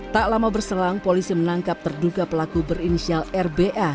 tak lama berselang polisi menangkap terduga pelaku berinisial rba